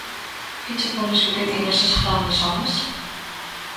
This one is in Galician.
¿Que che parece o que din eses grandes homes?